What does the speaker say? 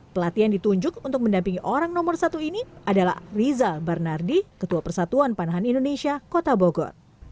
pelatih yang ditunjuk untuk mendampingi orang nomor satu ini adalah rizal barnardi ketua persatuan panahan indonesia kota bogor